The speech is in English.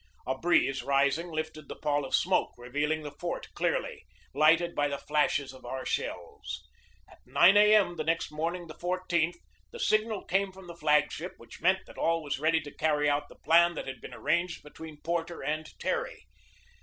A breeze rising lifted the pall of smoke, revealing the fort clearly, lighted by the flashes of our shells. At 9 A. M. the next morn ing, the 1 4th, the signal came from the flag ship, which meant that all was ready to carry out the plan that had been arranged between Porter and Terry.